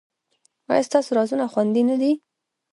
ایا ستاسو رازونه خوندي نه دي؟